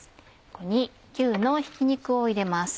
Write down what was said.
ここに牛のひき肉を入れます。